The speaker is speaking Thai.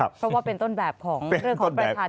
เพราะว่าเป็นต้นแบบของเรื่องของประชาชน